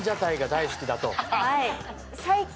最近。